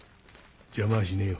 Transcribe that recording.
邪魔はしねえよ。